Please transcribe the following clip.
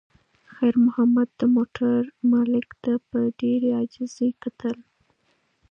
خیر محمد د موټر مالک ته په ډېرې عاجزۍ کتل.